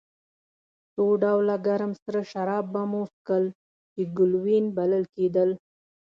څو ډوله ګرم سره شراب به مو څښل چې ګلووېن بلل کېدل.